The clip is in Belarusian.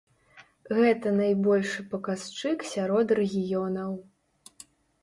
Гэта найбольшы паказчык сярод рэгіёнаў.